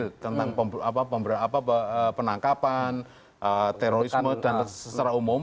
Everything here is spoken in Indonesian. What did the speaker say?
yang sangat detail tentang penangkapan terorisme dan secara umum